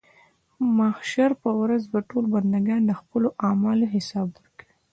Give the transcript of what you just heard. د محشر په ورځ به ټول بندګان د خپلو اعمالو حساب ورکوي.